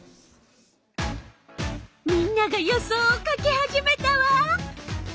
みんなが予想を書き始めたわ。